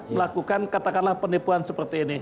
melakukan katakanlah penipuan seperti ini